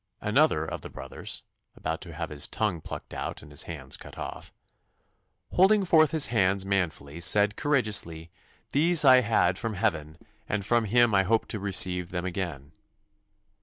Another of the brothers, about to have his tongue plucked out and his hands cut off, "holding forth his hands manfully, said courageously, These I had from heaven ... and from Him I hope to receive them again."